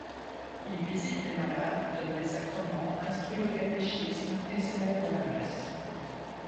Il visite les malades, donne des sacrements, instruit le catéchisme et célèbre la messe.